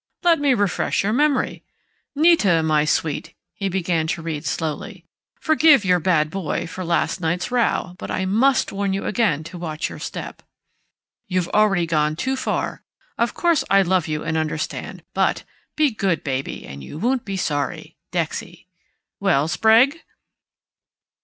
"Let me refresh your memory: 'Nita, my sweet,'" he began to read slowly, "'Forgive your bad boy for last night's row, but I must warn you again to watch your step. You've already gone too far. Of course I love you and understand, but Be good, Baby, and you won't be sorry! Dexy....' Well, Sprague?"